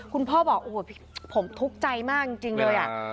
คุณพ่อบอกโอ้โหผมทุกข์ใจมากจริงเลย